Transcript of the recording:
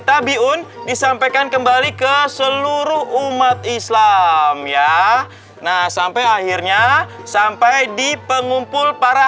tabiun disampaikan kembali ke seluruh umat islam ya nah sampai akhirnya sampai di pengumpul para